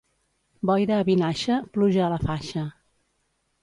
Boira a Vinaixa, pluja a la faixa.